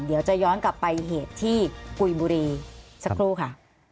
เดี๋ยวจะย้อนกลับไปเหตุที่กุยบุรีสักครู่ค่ะ